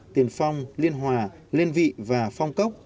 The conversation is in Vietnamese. tiền phong liên hòa liên vị và phong cốc